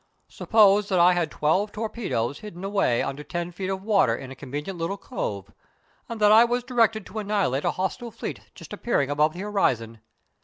"Suppose that I had twelve torpedoes hidden away under ten feet of water in a convenient little cove, and that I was directed to annihilate a hostile fleet just appearing above the horizon.